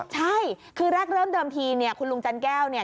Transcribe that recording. ใช่คือแรกเริ่มเดิมทีเนี่ยคุณลุงจันแก้วเนี่ย